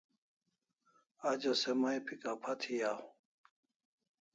Ajo se mai pi kapha thi aw